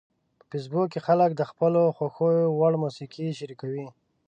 په فېسبوک کې خلک د خپلو خوښې وړ موسیقي شریکوي